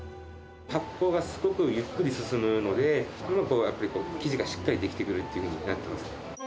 発酵がすごくゆっくり進むので、すごく生地がしっかり出来てくるということになっています。